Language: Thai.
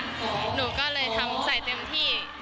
หนูก็เลยทำใส่เต็มที่